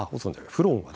フロンは。